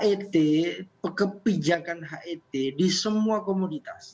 het kebijakan het di semua komoditas